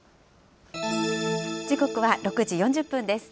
時刻は６時４０分です。